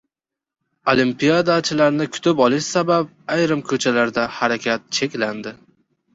Olimpiadachilarni kutib olish sabab ayrim ko‘chalarda harakat cheklanadi